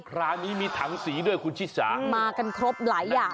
คราวนี้มีถังสีด้วยคุณชิสามากันครบหลายอย่าง